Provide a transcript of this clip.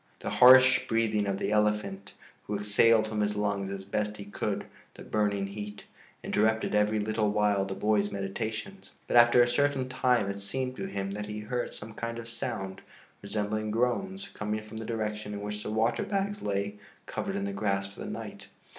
The harsh breathing of the elephant, who exhaled from his lungs as best he could the burning heat, interrupted every little while the boy's meditations. But after a certain time it seemed to him that he heard some kind of sound, resembling groans, coming from the direction in which the water bags lay covered in the grass for the night.